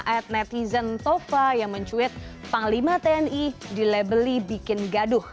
ad netizen tova yang mencuit panglima tni dilebeli bikin gaduh